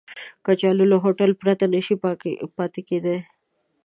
کچالو له هوټل پرته نشي پاتې کېدای